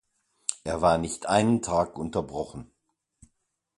Er war nicht einen Tag unterbrochen.